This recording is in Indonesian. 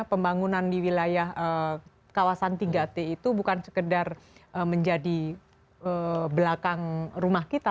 pembangunan di wilayah kawasan tiga t itu bukan sekedar menjadi belakang rumah kita